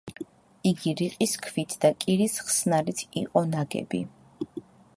იგი რიყის ქვით და კირის ხსნარით იყო ნაგები.